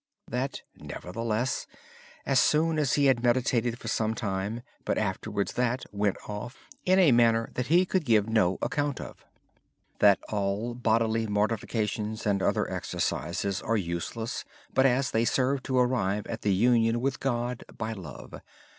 Nevertheless, at first he had meditated for some time, but afterwards that went off in a manner that he could give no account of. Brother Lawrence emphasized that all bodily mortifications and other exercises are useless unless they serve to arrive at the union with God by love.